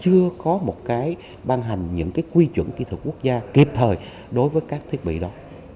chưa có một cái ban hành những cái quy chuẩn kỹ thuật quốc gia kịp thời đối với các thiết bị đó